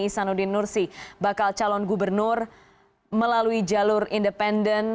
isanuddin nursi bakal calon gubernur melalui jalur independen